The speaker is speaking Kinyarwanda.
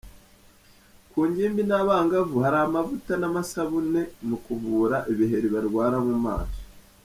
Ku ngimbi n’abangavu hari amavuta n’amasabune mu kuvura ibiheri barwara mu maso.